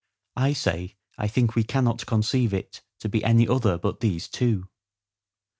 I say I think we cannot conceive it to be any other but these two.